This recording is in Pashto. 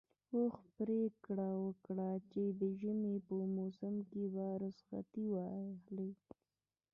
اوښ پرېکړه وکړه چې د ژمي په موسم کې رخصتي واخلي.